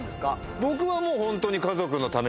僕はもうホントに。